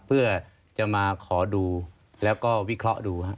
เพื่อจะมาขอดูแล้วก็วิเคราะห์ดูครับ